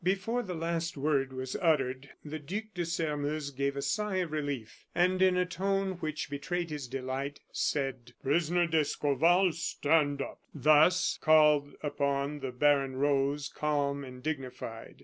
Before the last word was fairly uttered, the Duc de Sairmeuse gave a sigh of relief, and in a tone which betrayed his delight, said: "Prisoner Escorval, stand up." Thus called upon, the baron rose, calm and dignified.